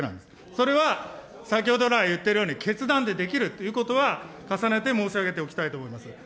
それは先ほど来、言っているように決断でできるということは、重ねて申し上げておきたいと思います。